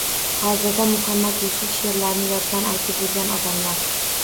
Hozirda Muhammad Yusuf she’rlarini yoddan aytib yurgan odamlar